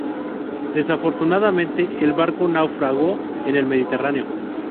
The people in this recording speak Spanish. Desafortunadamente el barco naufragó en el Mediterráneo.